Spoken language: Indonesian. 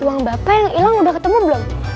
uang bapak yang hilang udah ketemu belum